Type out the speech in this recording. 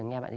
nghe bạn ấy